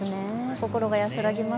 心が安らぎます。